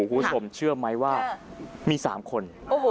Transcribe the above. คุณสมเชื่อมั้ยว่ามี๓คน